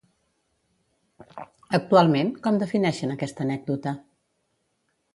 Actualment, com defineixen aquesta anècdota?